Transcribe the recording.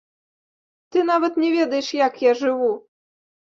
Ты нават не ведаеш, як я жыву!